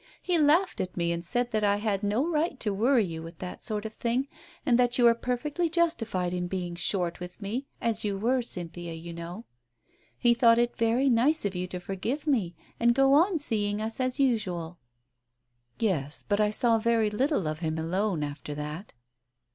He laughed at me and said that I had no right to worry you with that sort of thing and that you were perfectly justified in being ' short ' with me, as you were, Cynthia, you know. He thought it very nice of you to forgive me and go on seeing us as usual." "Yes, yes, but I saw very little of him alone after that."